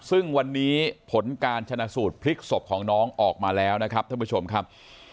ซึ่งวันนี้ผลการชนะสูตรพลิกศพของน้องออกมาแล้วนะครับท่านผู้ชมครับ